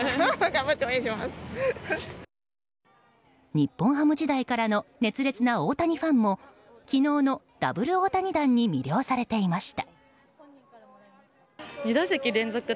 日本ハム時代からの熱烈な大谷ファンも昨日のダブル大谷弾に魅了されていました。